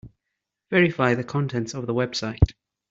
Verify the contents of the website.